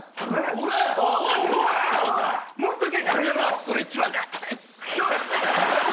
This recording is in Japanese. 俺がストレッチマンだ！